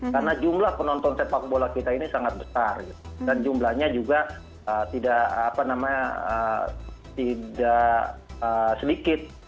karena jumlah penonton sepak bola kita ini sangat besar dan jumlahnya juga tidak sedikit